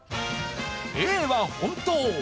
Ａは本当。